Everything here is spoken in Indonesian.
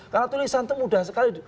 karena tulisan itu mudah sekali